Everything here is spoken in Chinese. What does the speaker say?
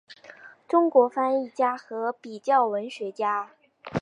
中国翻译家和比较文学家。